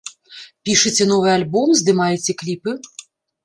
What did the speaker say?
Пішыце новы альбом, здымаеце кліпы?